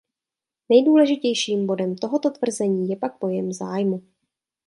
Nejdůležitějším bodem tohoto tvrzení je pak pojem zájmu.